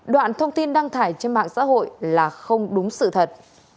đoạn thông tin đăng tải trên mạng xã hội là không đúng sự thật